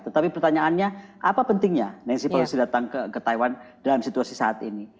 tetapi pertanyaannya apa pentingnya nancy policy datang ke taiwan dalam situasi saat ini